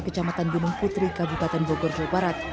kecamatan gunung putri kabupaten bogor jawa barat